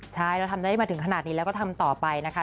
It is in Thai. ใช่เราทำได้มาถึงขนาดนี้แล้วก็ทำต่อไปนะคะ